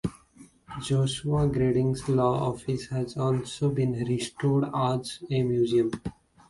Joshua Giddings' law office has also been restored as a museum.